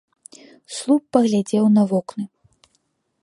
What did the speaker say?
Слуп паглядзеў на вокны.